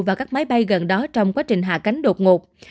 vào các máy bay gần đó trong quá trình hạ cánh đột ngột